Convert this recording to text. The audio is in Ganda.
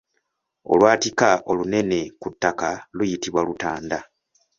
Olwatika olunene ku ttaka luyitibwa Lutanda.